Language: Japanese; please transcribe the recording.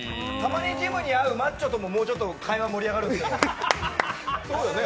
たまにジムで会うマッチョでももうちょっと会話盛り上がるんですけど。